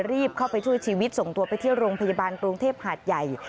รีบเข้าไปช่วยชีวิตส่งตัวไปที่โรงพยาบาลกรุงเทพหาดใหญ่